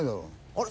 あれ？